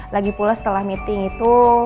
lagi pula setelah meeting itu